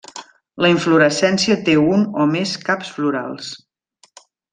La inflorescència té un o més caps florals.